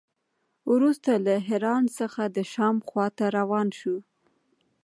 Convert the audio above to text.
وروسته له حران څخه د شام خوا ته روان شو.